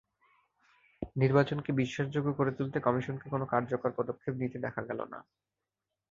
নির্বাচনকে বিশ্বাসযোগ্য করে তুলতে কমিশনকে কোনো কার্যকর পদক্ষেপ নিতে দেখা গেল না।